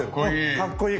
かっこいい！